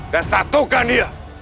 dan satukan dia